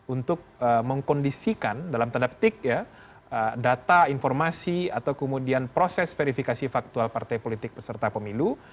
untuk mengkondisikan dalam tanda petik ya data informasi atau kemudian proses verifikasi faktual partai politik peserta pemilu